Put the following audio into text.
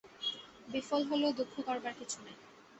বিফল হলেও দুঃখ করবার কিছু নাই।